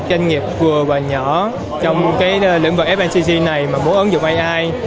doanh nghiệp vừa và nhỏ trong lĩnh vực fncc này mà muốn ứng dụng ai